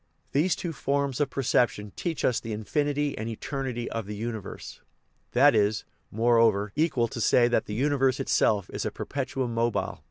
These two " forms of perception " teach us the infinity and eternity of the universe. That is, more over, equal to saying that the universe itself is a per petuum mobile.